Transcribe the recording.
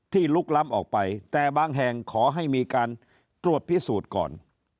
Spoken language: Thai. ลุกล้ำออกไปแต่บางแห่งขอให้มีการตรวจพิสูจน์ก่อน